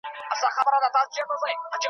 ګناه ستا ده او همدغه دي سزا ده .